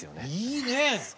いいね。